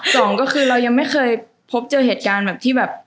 สองก็คือเรายังไม่เคยพบเจอเหตุการณ์แบบที่แบบ